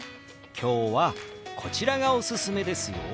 今日はこちらがおすすめですよ。